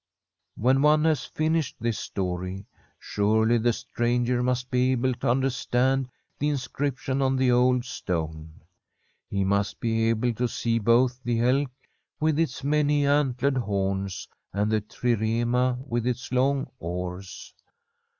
*♦♦♦♦ When one has finished this story, surely the stranger must be able to understand the inscrip tion on the old stone. He must be able to see both the elk with its many antlered horns, and the trirema with its long oars.